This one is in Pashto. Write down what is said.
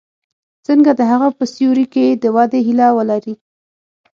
څنګه د هغه په سیوري کې د ودې هیله ولري.